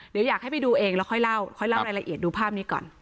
เดี๋ยวอยากให้ไปดูเองแล้วค่อยเล่าค่อยเล่ารายละเอียดดูภาพนี้ก่อน